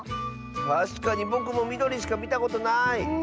たしかにぼくもみどりしかみたことない。